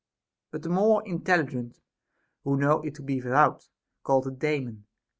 But the more intelli gent, who know it to be without, call it a Daemon.